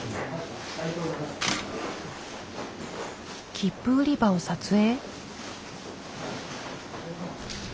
切符売り場を撮影？